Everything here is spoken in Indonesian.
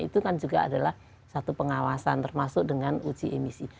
itu kan juga adalah satu pengawasan termasuk dengan uji emisi